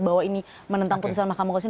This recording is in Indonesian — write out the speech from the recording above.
bahwa ini menentang putusan mahkamah konstitusi